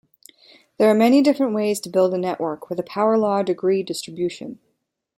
There are many different ways to build a network with a power-law degree distribution.